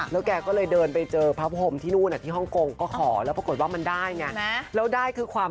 แล้วแกก็เลยเดินไปเจอพระพรมที่นู่นที่ฮ่องกงก็ขอแล้วปรากฏว่ามันได้ไงแล้วได้คือความ